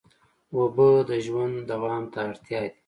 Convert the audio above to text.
اوبه د ژوند دوام ته اړتیا دي.